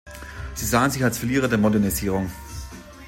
Sie sahen sich als Verlierer der Modernisierung.